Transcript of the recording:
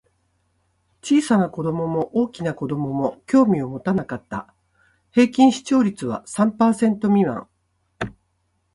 小さな子供も大きな子供も興味を持たなかった。平均視聴率は三パーセント未満。